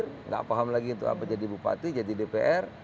tidak paham lagi untuk apa jadi bupati jadi dpr